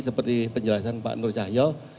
seperti penjelasan pak nur cahyo